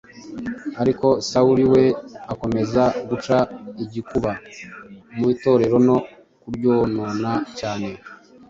Ariko Sawuli we akomeza guca igikuba mu Itorero, no kuryonona cyane;